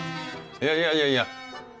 いやいやいやいや。